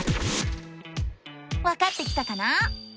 わかってきたかな？